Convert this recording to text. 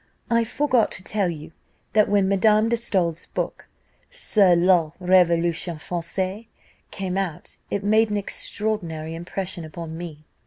I forgot to tell you, that when Madame de Staël's book, 'Sur la Revolution Française,' came out, it made an extraordinary impression upon me.